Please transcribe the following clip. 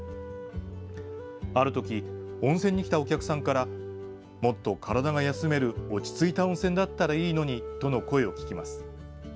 あるとき、温泉に来たお客さんから、もっと体が休める落ち着いた温泉だったらいいのにとの声を聞きます。